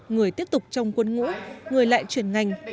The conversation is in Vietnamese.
người tiếp tục trong quân ngũ người lại chuyển ngành